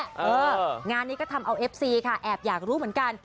เอองานนี้ก็ทำเอาเอฟซีค่ะแอบอยากรู้เหมือนกัน